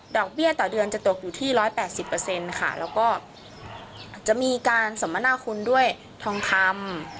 ดอกเบี้ยต่อเดือนจะตกอยู่ที่ร้อยแปดสิบเปอร์เซ็นต์ค่ะแล้วก็จะมีการสมนาคุณด้วยทองคำ